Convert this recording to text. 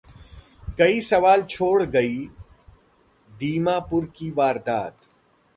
कई सवाल छोड़ गई दीमापुर की वारदात